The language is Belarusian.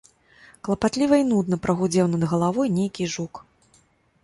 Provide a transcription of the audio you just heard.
Клапатліва і нудна прагудзеў над галавой нейкі жук.